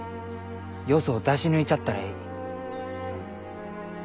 よそを出し抜いちゃったらえい。